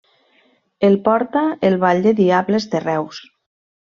El porta el Ball de diables de Reus.